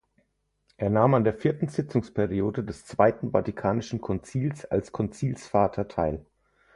Er nahm an der vierten Sitzungsperiode des Zweiten Vatikanischen Konzils als Konzilsvater teil.